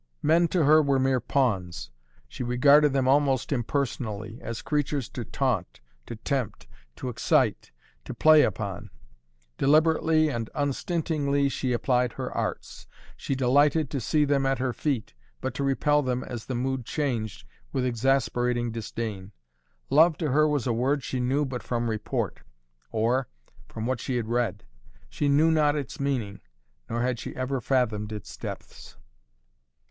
Men to her were mere pawns. She regarded them almost impersonally, as creatures to taunt, to tempt, to excite, to play upon. Deliberately and unstintingly she applied her arts. She delighted to see them at her feet, but to repel them as the mood changed, with exasperating disdain. Love to her was a word she knew but from report, or, from what she had read. She knew not its meaning, nor had she ever fathomed its depths.